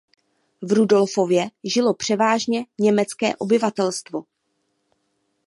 V Rudolfově žilo převážně německé obyvatelstvo.